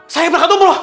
saya berangkat umroh